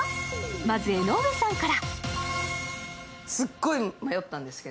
まず江上さんから。